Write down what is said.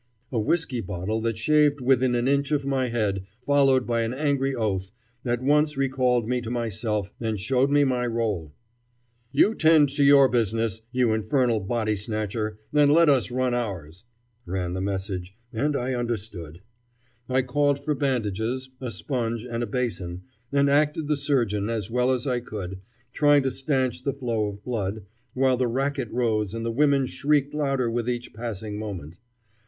A whiskey bottle that shaved within an inch of my head, followed by an angry oath, at once recalled me to myself and showed me my role. "You tend to your business, you infernal body snatcher, and let us run ours," ran the message, and I understood. I called for bandages, a sponge, and a basin, and acted the surgeon as well as I could, trying to stanch the flow of blood, while the racket rose and the women shrieked louder with each passing moment.